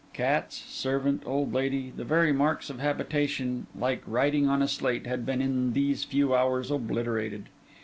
Cats, servant, old lady, the very marks of habitation, like writing on a slate, had been in these few hours obliterated.